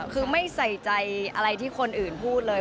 คือไม่ใส่ใจอะไรที่คนอื่นพูดเลย